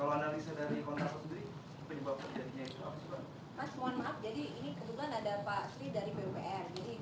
pak mohon maaf jadi ini kebetulan ada pak sri dari pupr